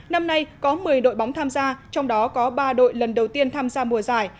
năm nay có một mươi đội bóng tham gia trong đó có ba đội lần đầu tiên tham gia mùa giải